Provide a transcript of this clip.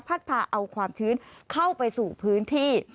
พาเอาความชื้นเข้าไปสู่พื้นที่